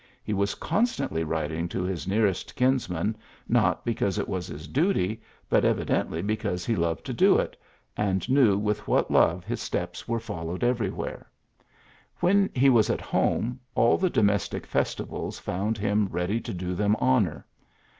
He was constantly writing to his nearest kinsmen, not because it was his duty, but evidently because he loved to do it, and knew with what love his steps were PHILLIPS BEOOKS 89 followed everywhere. Wlien he was at home, all the domestic festivals found him ready to do them honor.